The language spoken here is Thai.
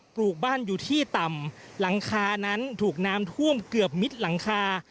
ปลูกบ้านอยู่ที่ต่ำหลังคานั้นถูกน้ำท่วมเกือบมิดหลังคา